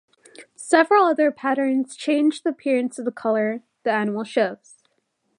Several other patterns change the appearance of the color the animal shows.